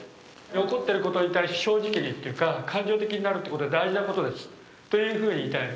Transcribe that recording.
起こってることに対して正直にっていうか感情的になるってことは大事なことですというふうに言いたい。